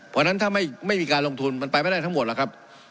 เพราะฉะนั้นถ้าไม่มีการลงทุนมันไปไม่ได้ทั้งหมดหรอกครับ